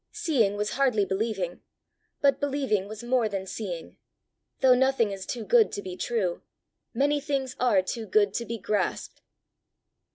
Seeing was hardly believing, but believing was more than seeing: though nothing is too good to be true, many things are too good to be grasped.